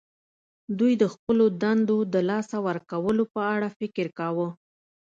دوی د خپلو دندو د لاسه ورکولو په اړه فکر کاوه